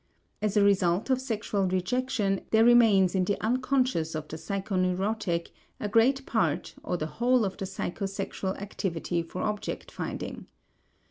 As a result of sexual rejection there remains in the unconscious of the psychoneurotic a great part or the whole of the psychosexual activity for object finding.